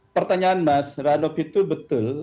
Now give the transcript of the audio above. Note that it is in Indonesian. pertanyaan mas ranop itu betul